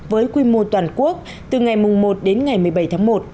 với quy mô toàn quốc từ ngày một đến ngày một mươi bảy tháng một